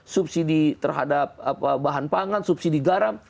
subsidi terhadap bahan pangan subsidi garam